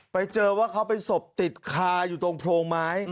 ไปเจอว่าเขาเป็นศพติดคาอยู่ตรงโพรงไม้